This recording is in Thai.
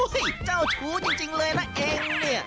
เจ้าชู้จริงเลยนะเองเนี่ย